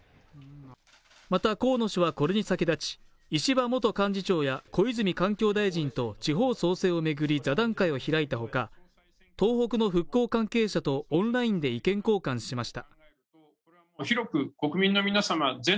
また、河野氏はこれに先立ち石破元幹事長や、小泉環境大臣と地方創生を巡り、座談会を開いたほか東北の復興関係者とオンラインで意見交換しました。